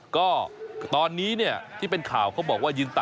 ก็ตอนนี้เนี่ยที่เป็นข่าวเขาบอกว่า